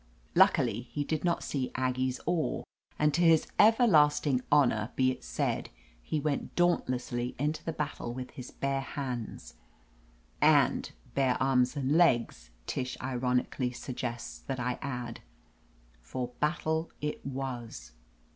Luckily he did not see Aggie's oar, and to his everlasting honor be it said, he went daunt lessly into the battle with his bare hands. "And bare arms and^legs," Tish ironically suggests that I add. For battle it was.